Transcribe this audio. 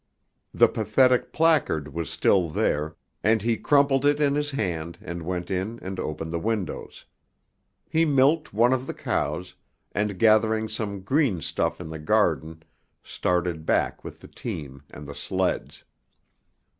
The pathetic placard was still there, and he crumpled it in his hand, and went in and opened the windows. He milked one of the cows, and gathering some green stuff in the garden started back with the team and the sleds.